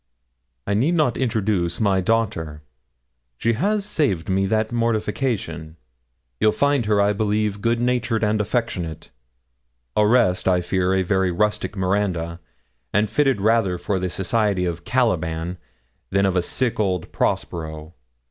'I need not introduce my daughter; she has saved me that mortification. You'll find her, I believe, good natured and affectionate; au reste, I fear a very rustic Miranda, and fitted rather for the society of Caliban than of a sick old Prospero.